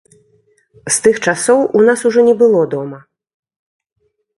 З тых часоў у нас ужо не было дома.